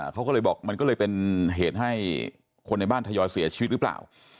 เขาก็เลยบอกมันก็เลยเป็นเหตุให้คนในบ้านทยอยเสียชีวิตหรือเปล่า